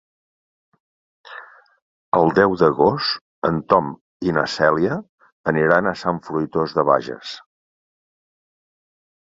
El deu d'agost en Tom i na Cèlia aniran a Sant Fruitós de Bages.